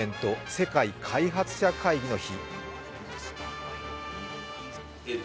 世界開発者会議の日。